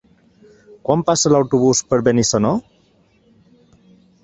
Quan passa l'autobús per Benissanó?